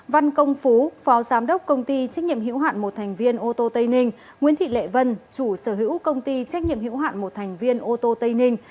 văn công phú phó giám đốc công ty trách nhiệm hữu hạn một thành viên ô tô tây ninh nguyễn thị lệ vân chủ sở hữu công ty trách nhiệm hữu hạn một thành viên ô tô tây ninh